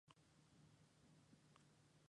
La garganta, el cuello y el pecho son blancos.